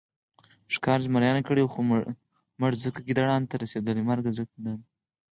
ښکار زمریانو کړی خو مړزکه ګیدړانو ته رسېدلې.